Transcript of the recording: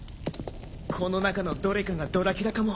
この中のどれかがドラキュラかも。